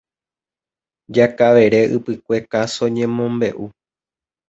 Jakavere ypykue káso ñemombeʼu.